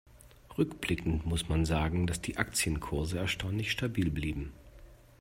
Rückblickend muss man sagen, dass die Aktienkurse erstaunlich stabil blieben.